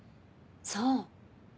そう。